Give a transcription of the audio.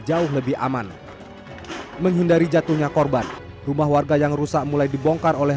jauh lebih aman menghindari jatuhnya korban rumah warga yang rusak mulai dibongkar oleh